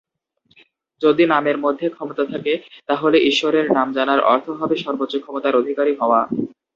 যদি নামের মধ্যে ক্ষমতা থাকে, তাহলে ঈশ্বরের নাম জানার অর্থ হবে সর্বোচ্চ ক্ষমতার অধিকারী হওয়া।